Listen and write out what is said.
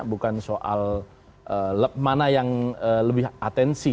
bukan soal mana yang lebih atensi